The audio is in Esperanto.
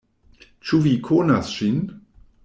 Ĉu vi konas ŝin?